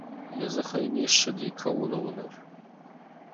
Йӕ дзыхӕй не ссыди кӕуыны уынӕр.